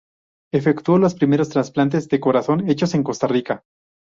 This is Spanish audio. Efectuó los primeros trasplantes de corazón hechos en Costa Rica.